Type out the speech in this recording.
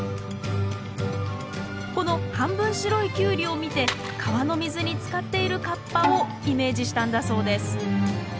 この半分白いキュウリを見て川の水につかっている河童をイメージしたんだそうです